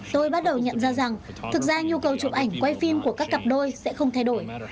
tôi bắt đầu nhận ra rằng thực ra nhu cầu chụp ảnh quay phim của các cặp đôi sẽ không thay đổi